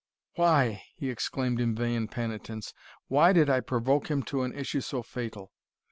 "Why," he exclaimed in vain penitence, "why did I provoke him to an issue so fatal!